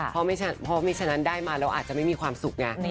เพราะไม่ฉะนั้นได้มาแล้วอาจจะไม่มีความสุขไง